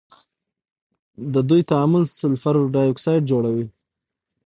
د دوی تعامل سلفر ډای اکسايډ جوړوي.